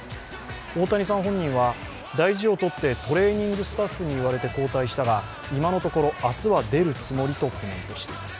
大谷さん本人は、大事をとってトレーニングスタッフに言われて交代したが今のところ、明日は出るつもりとコメントしています。